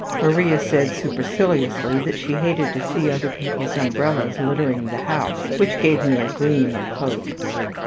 Maria said superciliously that she hated to see other people's umbrellas littering the house, which gave me a gleam of hope.